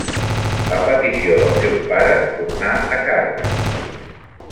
A petició dels seus pares, tornà a casa.